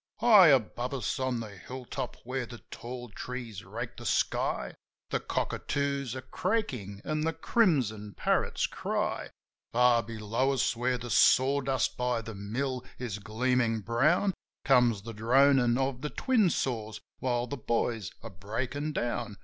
High above us, on the hill top, where the tall trees rake the sky, The cockatoos are craaking and the crimson parrots cry. From below us, where the sawdust by the mill is gleamin' brown. Comes the dronin' of the twin saws while the boys are breakin' down.